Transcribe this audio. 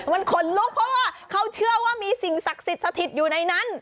มันขนลุกพ่อเขาเชื่อว่ามีสิ่งศักดิ์สถิตอยู่ในนั้น